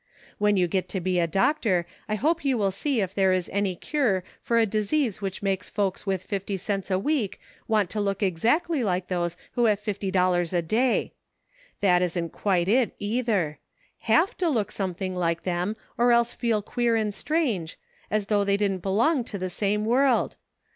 When you get to be a doctor I hope you will see if there is any cure for a disease which makes folks with fifty cents a week want to look exactly like those who have fifty dollars a day. That isn't quite it, either ; have to look something like them or else feel queer and strange, as though they didn't belong to the same world.